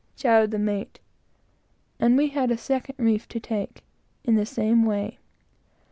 shouted the mate, and we had a second reef to take, in the same way.